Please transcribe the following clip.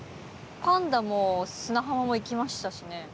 パンダも砂浜も行きましたしね。